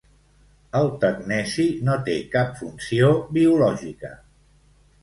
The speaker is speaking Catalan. El tecneci no té cap funció biològica.